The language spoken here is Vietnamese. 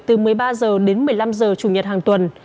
từ một mươi ba h đến một mươi năm h chủ nhật hàng tuần